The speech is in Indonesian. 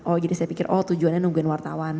oh jadi saya pikir oh tujuannya nungguin wartawan